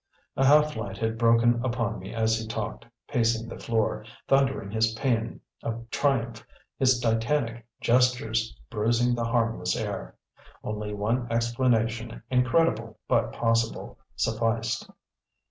A half light had broken upon me as he talked, pacing the floor, thundering his paean of triumph, his Titanic gestures bruising the harmless air. Only one explanation, incredible, but possible, sufficed.